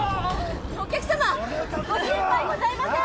お客様ご心配ございません